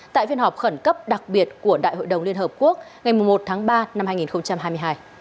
tại phiên họp khẩn cấp đặc biệt của đại hội đồng liên hợp quốc ngày một tháng ba năm hai nghìn hai mươi hai